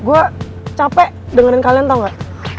gue capek dengerin kalian tau gak